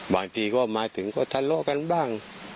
บางทีก็มาถึงก็ทะเลาะกันบ้าง